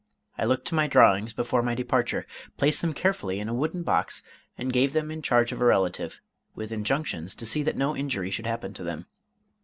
I looked to my drawings before my departure, placed them carefully in a wooden box, and gave them in charge of a relative, with injunctions to see that no injury should happen to them.